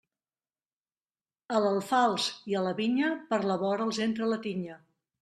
A l'alfals i a la vinya, per la vora els entra la tinya.